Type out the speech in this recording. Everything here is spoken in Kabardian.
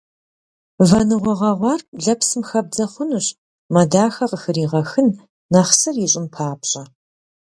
Вэныгъуэ гъэгъуар лэпсым хэбдзэ хъунущ, мэ дахэ къыхригъэхын, нэхъ сыр ищӏын папщӏэ.